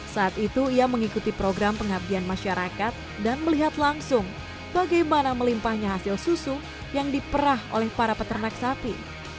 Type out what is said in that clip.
saat itu ia mengikuti program pengabdian masyarakat dan melihat langsung bagaimana melimpahnya hasil susu yang diperah oleh para peternak sapi